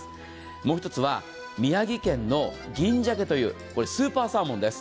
もう一つは、宮城県の銀鮭という、これはスーパーサーモンです。